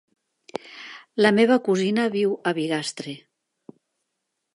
La meva cosina viu a Bigastre.